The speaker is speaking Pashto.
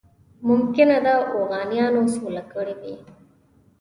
ممکنه ده اوغانیانو سوله کړې وي.